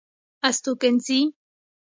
استوګنځي